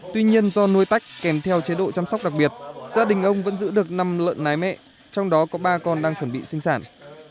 tuy nhiên do nuôi tách kèm theo chế độ chăm sóc đặc biệt gia đình ông vẫn giữ được năm lợn nái mẹ trong đó có ba con đang chuẩn bị sinh sản